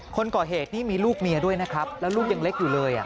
คนก่อเหตุนี่มีลูกเมียด้วยนะครับแล้วลูกยังเล็กอยู่เลย